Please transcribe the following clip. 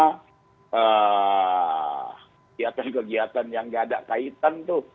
ya kegiatan kegiatan yang tidak ada kaitan itu